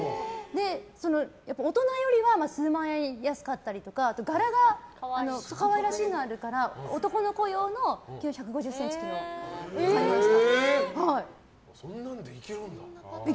大人よりは数万円安かったりとかあと柄が可愛らしいのがあるから男の子用の１５０ｃｍというのを買いました。